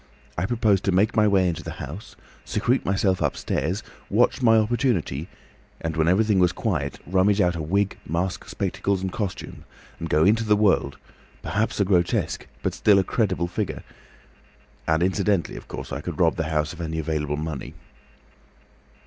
I proposed to make my way into the house, secrete myself upstairs, watch my opportunity, and when everything was quiet, rummage out a wig, mask, spectacles, and costume, and go into the world, perhaps a grotesque but still a credible figure. And incidentally of course I could rob the house of any available money.